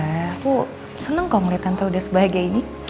aku seneng kok ngeliat tante udah sebahagia ini